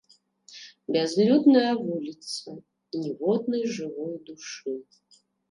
Бязлюдная вуліца, ніводнай жывой душы.